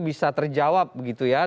bisa terjawab begitu ya